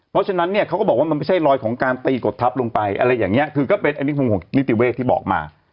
เพราะฉะนั้นเนี่ยเขาก็บอกว่ามันไม่ใช่รอยของการตีกดทับลงไปอะไรอย่างนี้คือก็เป็นอันนี้มุมของนิติเวศที่บอกมา